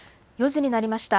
４時になりました。